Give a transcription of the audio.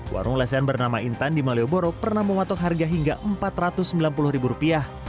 warung lesen bernama intan di malioboro pernah mematok harga hingga rp empat ratus sembilan puluh